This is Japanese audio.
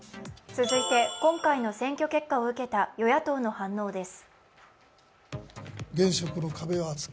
続いて、今回の選挙結果を受けた与野党の反応です。